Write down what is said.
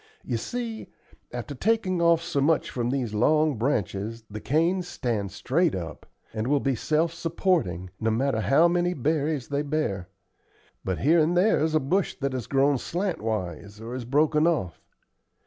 You see, after taking off so much from these long branches the canes stand straight up, and will be self supporting, no matter how many berries they bear; but here and there's a bush that has grown slant wise, or is broken off.